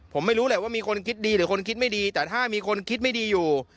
ผมไม่รู้แหละว่ามีคนคิดดีหรือคนคิดไม่ดีแต่ถ้ามีคนคิดไม่ดีอยู่